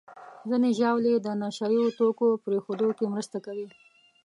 ځینې ژاولې د نشهیي توکو پرېښودو کې مرسته کوي.